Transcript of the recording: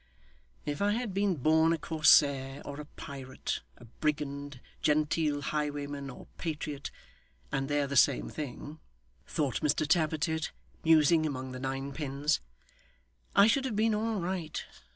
'If I had been born a corsair or a pirate, a brigand, genteel highwayman or patriot and they're the same thing,' thought Mr Tappertit, musing among the nine pins, 'I should have been all right.